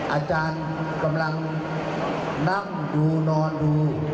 อาจารย์กำลังนั่งดูนอนดู